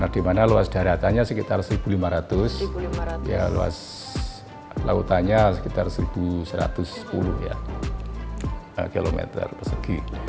dimana luas daratannya sekitar seribu lima ratus luas lautannya sekitar seribu satu ratus sepuluh ya kelima meter persegi